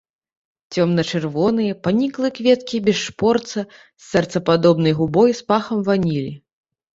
Цёмна-чырвоныя, паніклыя кветкі без шпорца, з сэрцападобнай губой з пахам ванілі.